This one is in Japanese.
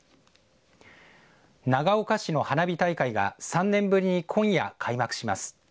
長岡市の花火大会が３年ぶりに今夜、開幕します。